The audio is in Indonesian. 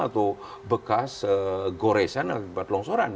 atau bekas goresan atau tempat longsoran